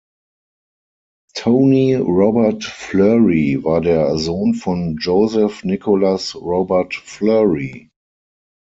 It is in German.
Tony Robert-Fleury war der Sohn von Joseph Nicolas Robert-Fleury.